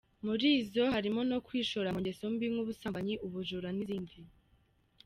Muri zo harimo nu kwishora mu ngeso mbi nk’ubusambanyi, ubujura n’izindi.